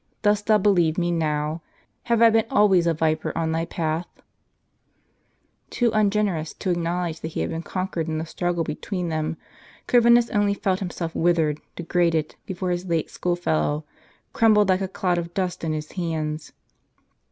Dost thou believe me now ? Have I been always a viper on thy path ?" Too ungenerous to acknowledge that he had been conquered in the struggle between them, Corvinus only felt himself with ered, degraded, before his late school fellow, crumbled like a clot of dust in his hands.